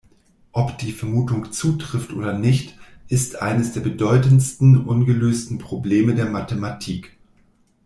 Ob die Vermutung zutrifft oder nicht, ist eines der bedeutendsten ungelösten Probleme der Mathematik.